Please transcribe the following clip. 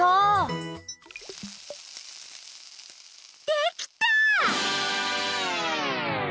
できた！